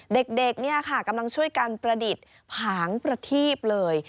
เด็กเนี่ยค่ะกำลังช่วยกันประดิษฐ์ผางประทีบเลย